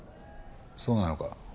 そうなのか？